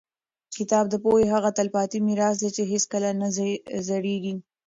کتاب د پوهې هغه تلپاتې میراث دی چې هېڅکله نه زړېږي.